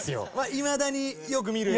いまだによく見る映像？